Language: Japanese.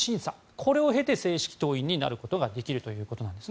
これを経て正式党員になることができるということなんです。